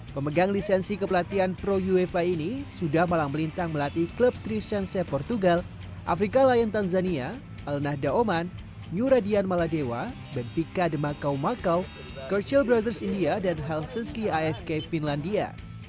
pemegang lisensi kepelatihan pro uefa ini sudah malang melintang melatih klub tri sensei portugal afrika lion tanzania el nahda oman new radian maladewa benfica de macau macau churchill brothers india dan helsinki afk finlandia